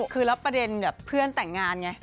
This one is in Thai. คือแล้วประเด็นแบบเพื่อนแต่งงานไง